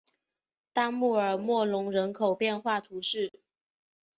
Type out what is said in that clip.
大穆尔默隆人口变化图示